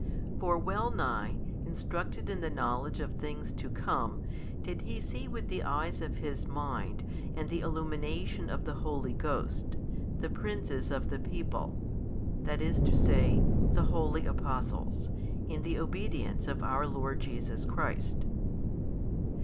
For well nigh, instructed in the knowledge of things to come, did he see with the eyes of his mind and the illumination of the Holy Ghost, the princes of the people, i. e., the holy Apostles, in the obedience of our Lord Jesus Christ.